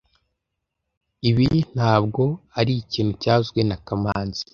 T Ibi ntabwo ari ikintu byavuzwe na kamanzi